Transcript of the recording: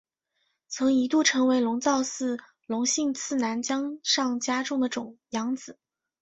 曾一度成为龙造寺隆信次男江上家种的养子。